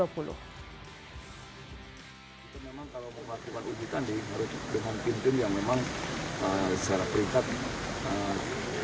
pertandingan u sembilan belas juga akan mulai